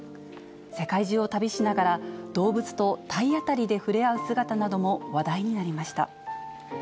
世界中を旅しながら、動物と体当たりで触れ合う姿なども話題になりました。